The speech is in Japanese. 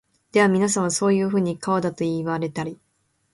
ではみなさんは、そういうふうに川だと云いわれたり、